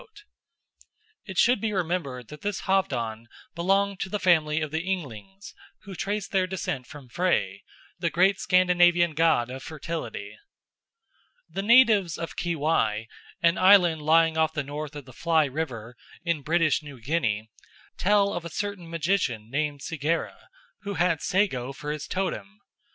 It should be remembered that this Halfdan belonged to the family of the Ynglings, who traced their descent from Frey, the great Scandinavian god of fertility. The natives of Kiwai, an island lying off the mouth of the Fly River in British New Guinea, tell of a certain magician named Segera, who had sago for his totem.